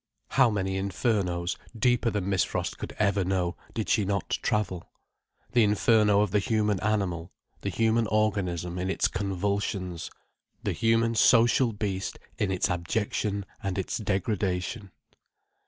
How many infernos deeper than Miss Frost could ever know, did she not travel? the inferno of the human animal, the human organism in its convulsions, the human social beast in its abjection and its degradation.